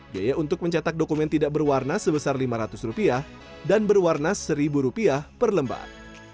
biaya untuk mencetak dokumen tidak berwarna sebesar lima ratus rupiah dan berwarna seribu rupiah per lembar